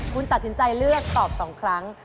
คุณตัดสินใจเลือกตอบ๒ครั้ง